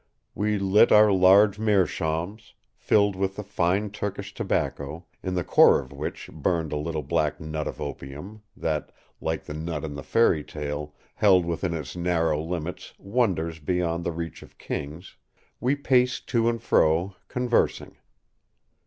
We lit our large meerschaums, filled with fine Turkish tobacco, in the core of which burned a little black nut of opium, that, like the nut in the fairy tale, held within its narrow limits wonders beyond the reach of kings; we paced to and fro, conversing.